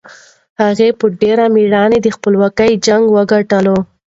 هغه په ډېر مېړانه د خپلواکۍ جنګ وګټلو.